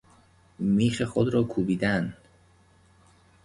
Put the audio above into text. میخ خود را کوبیدن